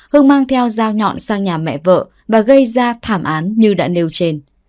hưng mang theo dao nhọn sang nhà mẹ vợ và gây ra thảm án như đã nêu trên